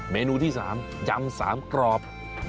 เมนูที่๓ยำ๓กรอบ